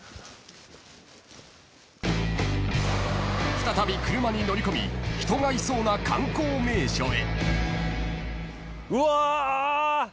［再び車に乗り込み人がいそうな観光名所へ］